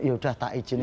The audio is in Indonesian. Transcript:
ya sudah tak izin